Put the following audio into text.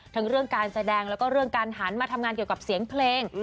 เรื่องการแสดงแล้วก็เรื่องการหันมาทำงานเกี่ยวกับเสียงเพลง